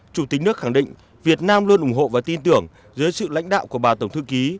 chủ tịch nước khẳng định việt nam luôn ủng hộ và tin tưởng dưới sự lãnh đạo của bà tổng thư ký